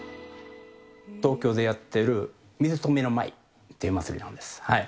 東京でやっている、水止舞という祭りなんです。